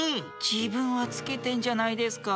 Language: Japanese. じぶんはつけてんじゃないですか。